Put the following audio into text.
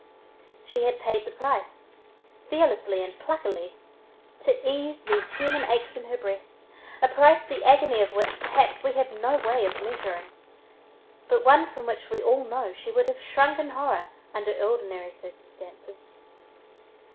She had paid the price, fearlessly and pluckily, to ease these human aches in her breast, a price the agony of which perhaps we have no way of measuring, but one from which we know she would have shrunk in horror under ordinary circumstances.